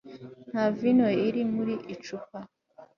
nta vino iri muri icupa